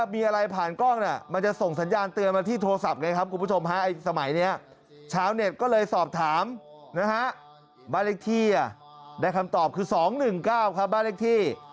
บาร์เล็กที่อ่ะได้คำตอบคือ๒๑๙บาร์เล็กที่